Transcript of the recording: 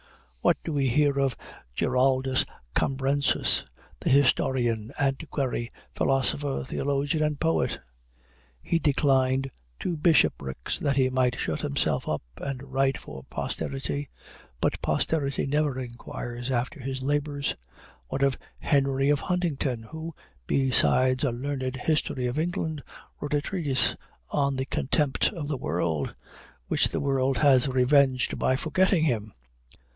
What do we hear of Giraldus Cambrensis, the historian, antiquary, philosopher, theologian, and poet? He declined two bishoprics, that he might shut himself up and write for posterity; but posterity never inquires after his labors. What of Henry of Huntingdon, who, besides a learned history of England, wrote a treatise on the contempt of the world, which the world has revenged by forgetting him?